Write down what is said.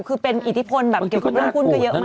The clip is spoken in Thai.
คือเป็นอิทธิพลแบบเกี่ยวกับเรื่องหุ้นก็เยอะมาก